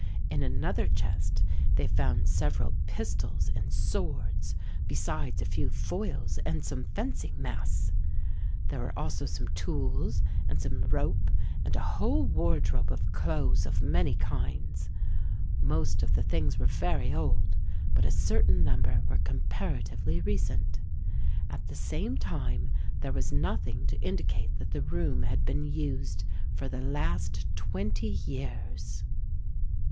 In another chest they found several pistols and swords besides a few foils and some fencing masks. There were also some tools and some rope and a whole wardrobe of clothes of many kinds. Most of the things were very old but a certain number were comparatively recent. At the same time there was nothing to indicate that the room had been used for the last twenty years.